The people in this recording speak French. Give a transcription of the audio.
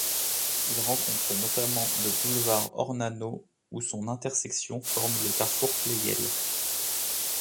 Il rencontre notamment le boulevard Ornano où son intersection forme le carrefour Pleyel.